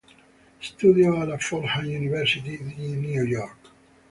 Studiò alla Fordham University di New York.